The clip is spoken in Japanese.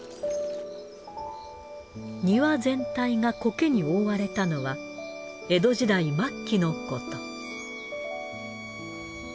庭全体が苔に覆われたのは江戸時代末期のこと。